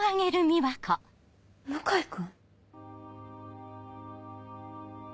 向井君